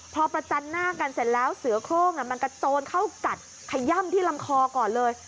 พอประจันหน้ากันเสร็จแล้วเสือโครงมันกระโจนเข้ากัดขย่ำที่ลำคอก่อนเลย